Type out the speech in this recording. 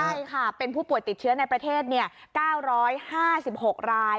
ใช่ค่ะเป็นผู้ป่วยติดเชื้อในประเทศ๙๕๖ราย